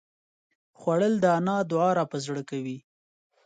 خوړل د انا دعا راپه زړه کوي